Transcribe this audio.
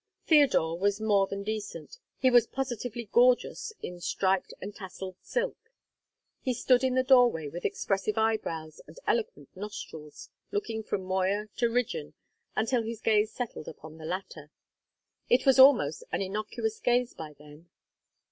Theodore was more than decent; he was positively gorgeous in striped and tasselled silk. He stood in the doorway with expressive eyebrows and eloquent nostrils, looking from Moya to Rigden until his gaze settled upon the latter. It was almost an innocuous gaze by then.